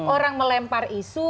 orang melempar isu